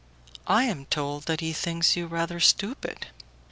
"I am told that he thinks you rather stupid."